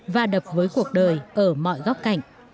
và đập với cuộc đời ở mọi góc cạnh